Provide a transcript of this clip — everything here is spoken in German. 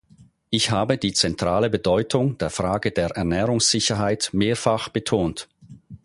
Ich habe die zentrale Bedeutung der Frage der Ernährungssicherheit mehrfach betont.